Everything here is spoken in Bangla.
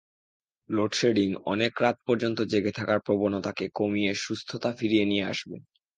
লোডশেডিং অনেক রাত পর্যন্ত জেগে থাকার প্রবণতাকে কমিয়ে সুস্থতা ফিরিয়ে নিয়ে আসবে।